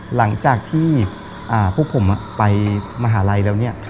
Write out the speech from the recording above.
หลังจากที่พวกผมไปมหาลัยแล้วเนี่ย